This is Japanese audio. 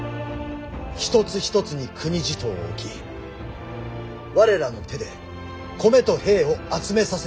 一つ一つに国地頭を置き我らの手で米と兵を集めさせていただきまする。